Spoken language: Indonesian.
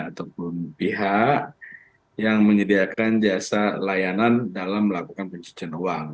ataupun pihak yang menyediakan jasa layanan dalam melakukan pencucian uang